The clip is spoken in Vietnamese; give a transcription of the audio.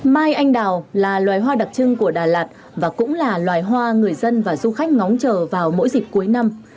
mai anh đào là loài hoa đặc trưng của đà lạt và cũng là loài hoa người dân và du khách ngóng chờ vào mỗi dịp cuối năm